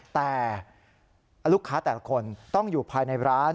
แต่ลูกค้าแต่ละคนต้องอยู่ภายในร้าน